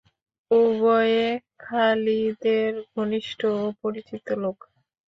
উভয়ে খালিদের ঘনিষ্ঠ ও পরিচিত লোক।